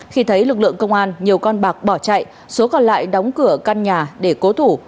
khi thấy lực lượng công an nhiều con bạc bỏ chạy số còn lại đóng cửa căn nhà để cố thủ